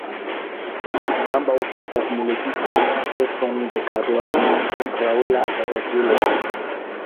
Ambaŭ festas militistan sukceson de Karolo kontraŭ la "herezuloj".